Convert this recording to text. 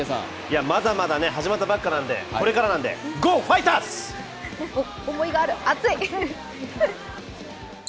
まだまだ始まったばっかなんで、これからなんで、思いがある、熱い！